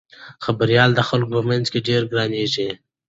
خبریال د خلکو په منځ کې ډېر ګرانیږي.